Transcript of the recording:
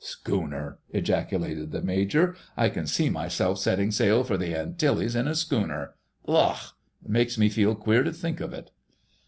"Schooner!" ejaculated the Major. "I can see myself setting sail for the Antilles in a schooner! Ugh! It makes me feel queer to think of it!"